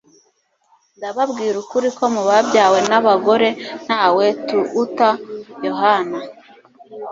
Ndababwira ukuri ko mu babyawe n'abagore ntawe tuuta Yohana."